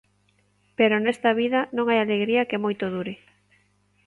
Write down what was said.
"Pero nesta vida non hai alegría que moito dure."